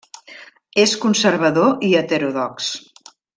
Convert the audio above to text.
És conservador i heterodox.